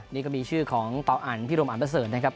นี่ก็มีชื่อของเป่าอันพิรมอันประเสริฐนะครับ